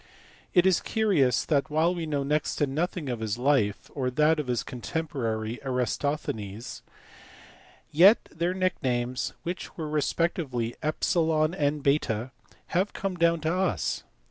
It is curious that while we know next to nothing of his life, or of that of his contemporary Eratosthenes, yet their nicknames, which were respectively epsilon and beta, have come down to us.